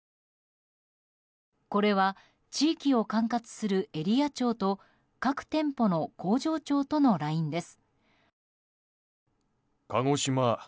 これは、地域を管轄するエリア長と各店舗の工場長とのＬＩＮＥです。